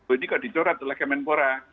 ini kok dicorot oleh kemenpora